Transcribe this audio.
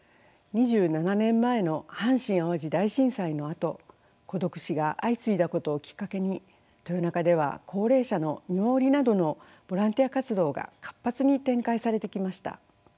２７年前の阪神・淡路大震災のあと孤独死が相次いだことをきっかけに豊中では高齢者の見守りなどのボランティア活動が活発に展開されてきました。